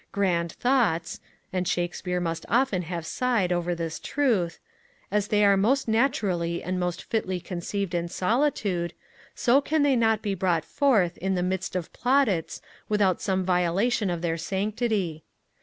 Grand thoughts (and Shakespeare must often have sighed over this truth), as they are most naturally and most fitly conceived in solitude, so can they not be brought forth in the midst of plaudits without some violation of their sanctity.